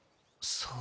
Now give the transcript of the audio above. そう。